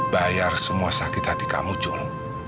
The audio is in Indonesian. bayar semua sakit hati kamu cuma